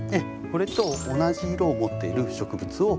これと同じ色を持っている植物を組み合わせて。